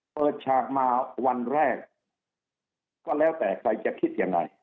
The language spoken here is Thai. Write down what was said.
ฉากมาวันแรกก็แล้วแต่ใครจะคิดยังไง